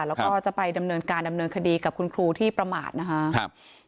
แล้วก็จะไปดำเนินการดำเนินคดีกับคุณครูที่ประมาทนะครับ